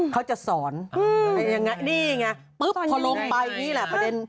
เขาจะสอนนี่ไงพอลงไปนี่แหละประเด็น